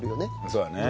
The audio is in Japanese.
そうだね。